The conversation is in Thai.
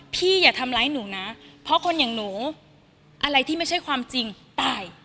อย่าทำร้ายหนูนะเพราะคนอย่างหนูอะไรที่ไม่ใช่ความจริงตาย